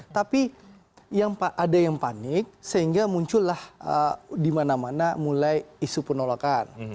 tapi ada yang panik sehingga muncullah di mana mana mulai isu penolakan